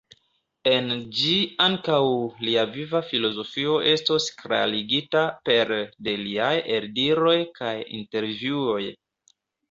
En ĝi ankaŭ lia viva filozofio estos klarigita pere de liaj eldiroj kaj intervjuoj.